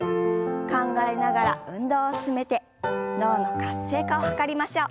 考えながら運動を進めて脳の活性化を図りましょう。